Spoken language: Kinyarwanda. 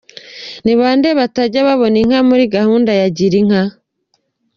– Ni bande batajya babona inka muri gahunda ya girinka?